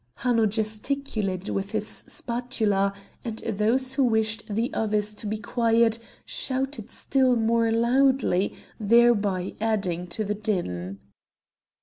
Hanno gesticulated with his spatula; and those who wished the others to be quiet shouted still more loudly, thereby adding to the din.